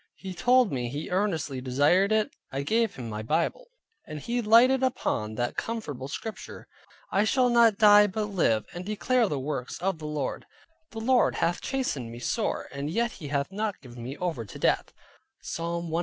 He told me he earnestly desired it, I gave him my Bible, and he lighted upon that comfortable Scripture "I shall not die but live, and declare the works of the Lord: the Lord hath chastened me sore yet he hath not given me over to death" (Psalm 118.